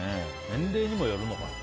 年齢にもよるのかな。